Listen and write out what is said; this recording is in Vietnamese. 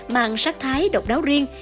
màng sắc thái độc đáo riêng